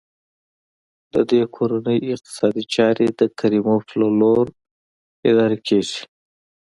د دې کورنۍ اقتصادي چارې د کریموف د لور لخوا اداره کېږي.